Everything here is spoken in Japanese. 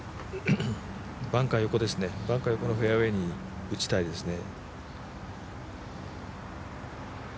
バンカー横のフェアウエーに打ちたいですね。